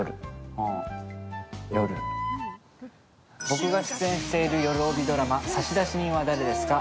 僕が出演しているよるおびドラマ「差出人は、誰ですか？」